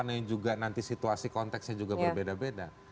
yang juga nanti situasi konteksnya juga berbeda beda